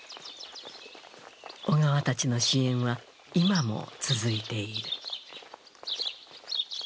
小川たちの支援は今も続いている。